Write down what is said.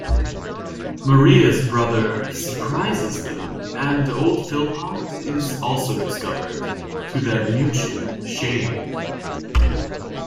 Maria's brother surprises them, and old Philpot is also discovered, to their mutual shame.